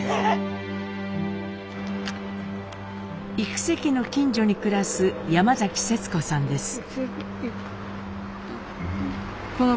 幾家の近所に暮らす山節子さんです。